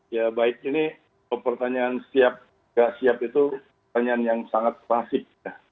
ya baik ini pertanyaan siap atau tidak siap itu pertanyaan yang sangat spasif